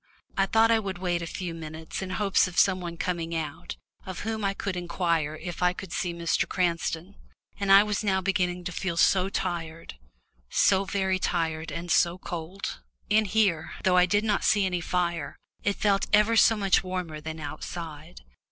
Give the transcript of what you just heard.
I thought I would wait a few minutes in hopes of some one coming out, of whom I could inquire if I could see Mr. Cranston. And I was now beginning to feel so tired so very tired, and so cold. In here, though I did not see any fire, it felt ever so much warmer than outside.